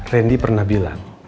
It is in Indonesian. randy pernah bilang